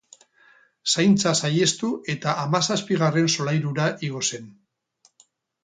Zaintza saihestu eta hamazazpigarren solairura igo zen.